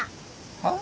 はっ？